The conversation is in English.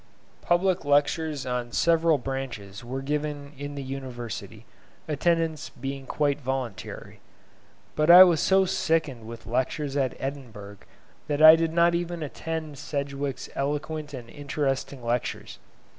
Public lectures on several branches were given in the University, attendance being quite voluntary; but I was so sickened with lectures at Edinburgh that I did not even attend Sedgwick's eloquent and interesting lectures.